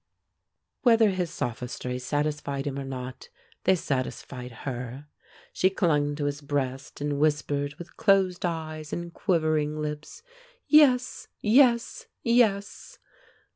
Whether his sophistries satisfied him or not, they satisfied her. She clung to his breast, and whispered, with closed eyes and quivering lips, "Yes, yes, yes!"